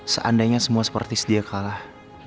seandainya semua seperti sedia kalah